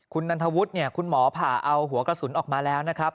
คุณนันทวุฒิเนี่ยคุณหมอผ่าเอาหัวกระสุนออกมาแล้วนะครับ